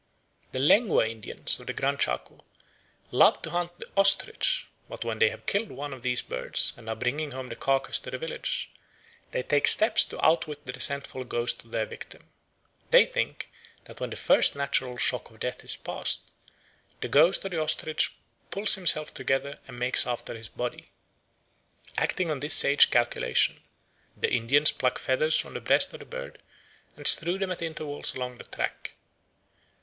The Lengua Indians of the Gran Chaco love to hunt the ostrich, but when they have killed one of these birds and are bringing home the carcase to the village, they take steps to outwit the resentful ghost of their victim. They think that when the first natural shock of death is passed, the ghost of the ostrich pulls himself together and makes after his body. Acting on this sage calculation, the Indians pluck feathers from the breast of the bird and strew them at intervals along the track.